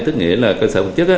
tức nghĩa là cơ sở vật chất